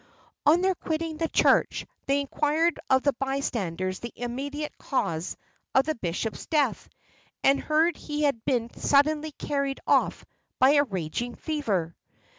On their quitting the church, they inquired of the bystanders the immediate cause of the bishop's death, and heard he had been suddenly carried off by a raging fever.